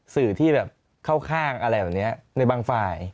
สื่อที่แบบเข้าข้างอะไรแบบนี้ในบางฝ่าย